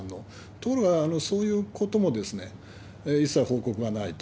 ところが、そういうことも一切報告がないと。